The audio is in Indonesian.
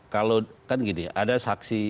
kalau kan gini ada saksi